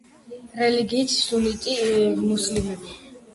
რელიგიით, სუნიტი მუსლიმები.